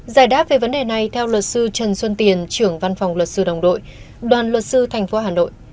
giải đáp về vấn đề này theo luật sư trần xuân tiền trưởng văn phòng luật sư đồng đội đoàn luật sư thành phố hà nội